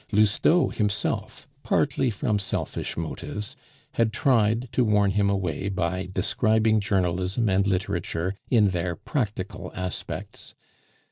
Lousteau himself (partly from selfish motives) had tried to warn him away by describing Journalism and Literature in their practical aspects.